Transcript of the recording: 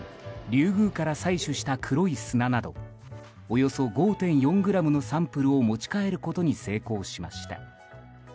リュウグウから採取した黒い砂などおよそ５．４グラムのサンプルを持ち帰ることに成功しました。